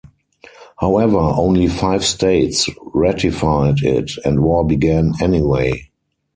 However, only five states ratified it, and war began anyway.